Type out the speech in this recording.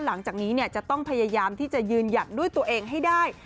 หลังจากนี้จะต้องพยายามที่จะยืนหยัดด้วยตัวเองให้ได้